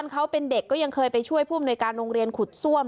ก็ยังเคยไปช่วยผู้อำนวยการโรงเรียนขุดซ่วม